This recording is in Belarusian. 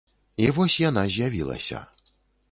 І вось яна з'явілася.